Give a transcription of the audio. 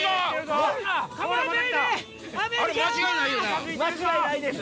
あれ間違いないよな？